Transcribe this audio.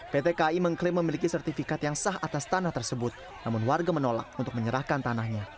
pt kai mengklaim memiliki sertifikat yang sah atas tanah tersebut namun warga menolak untuk menyerahkan tanahnya